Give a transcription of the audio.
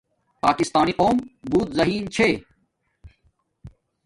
پاکسانی قوم بوت زہین چھے